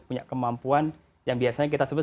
punya kemampuan yang biasanya kita sebut